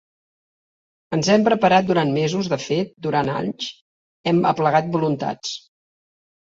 Ens hem preparat durant mesos, de fet, durant alguns anys, hem aplegat voluntats.